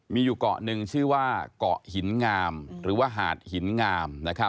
มีอยู่เกาะหนึ่งชื่อว่าเกาะหินงามหรือว่าหาดหินงาม